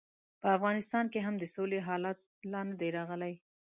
په افغانستان کې هم د سولې حالت لا نه دی راغلی.